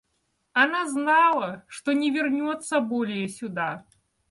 Она знала, что не вернется более сюда.